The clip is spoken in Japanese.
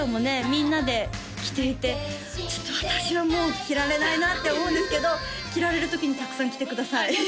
みんなで着ていてちょっと私はもう着られないなって思うんですけど着られる時にたくさん着てください